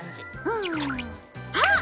うんあっ！